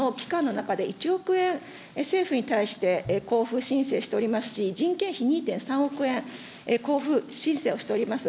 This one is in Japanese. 賃貸料をですね、この１年２か月間の期間の中で１億円、政府に対して交付申請しておりますし、人件費２．３億円交付申請をしております。